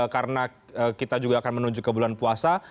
karena kita juga akan menuju ke bulan puasa